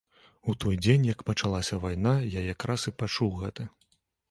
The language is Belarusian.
У той дзень, як пачалася вайна, я якраз і пачуў гэта.